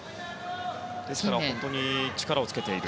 ですから本当に力をつけている。